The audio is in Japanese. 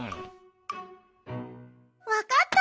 わかった！